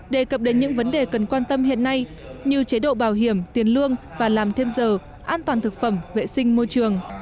đề cập đến những vấn đề cần quan tâm hiện nay như chế độ bảo hiểm tiền lương và làm thêm giờ an toàn thực phẩm vệ sinh môi trường